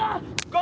５！